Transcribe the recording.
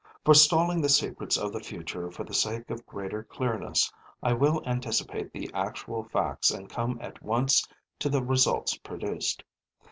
Forestalling the secrets of the future for the sake of greater clearness, I will anticipate the actual facts and come at once to the results produced.